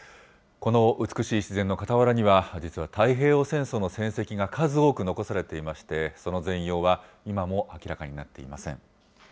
この美しい自然の傍らには、実は太平洋戦争の戦跡が数多く残されていまして、その全容は今も明らかになっていません。